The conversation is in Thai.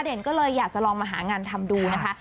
ก็เลยอยากจะลองมาหางานทำดูนะคะ